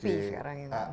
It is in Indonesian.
upi sekarang ini